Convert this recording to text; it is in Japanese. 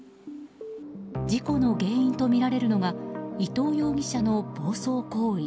事故の原因とみられるのが伊東容疑者の暴走行為。